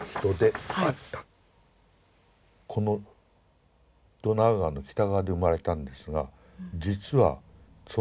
このドナウ川の北側で生まれたんですが実はそのおじいさん